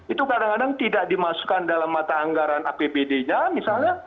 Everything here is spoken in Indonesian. itu kadang kadang tidak dimasukkan dalam mata anggaran apbd nya misalnya